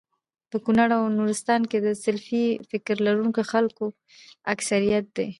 په کونړ او نورستان کي د سلفي فکر لرونکو خلکو اکثريت دی